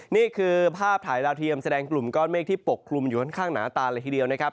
นี่คือภาพถ่ายดาวเทียมแสดงกลุ่มก้อนเมฆที่ปกคลุมอยู่ค่อนข้างหนาตาเลยทีเดียวนะครับ